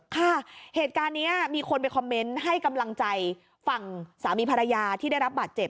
ค่ะเหตุการณ์นี้มีคนไปคอมเมนต์ให้กำลังใจฝั่งสามีภรรยาที่ได้รับบาดเจ็บ